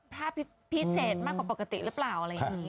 ภาพพิเศษมากกว่าปกติหรือเปล่าอะไรอย่างนี้